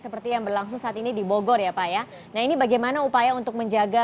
seperti yang berlangsung saat ini di bogor ya pak ya nah ini bagaimana upaya untuk menjaga